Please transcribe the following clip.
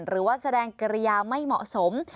หรือว่าแสดงกิริยาไม่เหมาะสม